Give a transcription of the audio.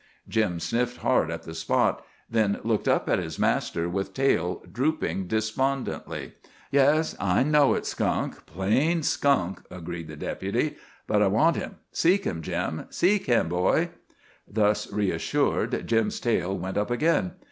Jim sniffed hard at the spot, then looked up at his master with tail drooping despondently. "Yes, I know it's skunk, plain skunk," agreed the Deputy. "But I want him. Seek him, Jim—seek him, boy." Thus reassured, Jim's tail went up again.